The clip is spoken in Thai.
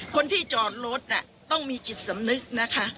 คนที่จอดรถต้องมีจิตสำนึกนะคะ